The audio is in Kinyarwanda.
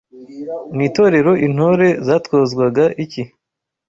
Mu itorero intore zatozwaga iki